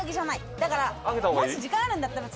だからもし時間あるんだったら。